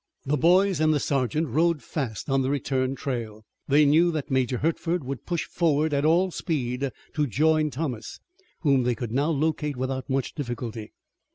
The boys and the sergeant rode fast on the return trail. They knew that Major Hertford would push forward at all speed to join Thomas, whom they could now locate without much difficulty.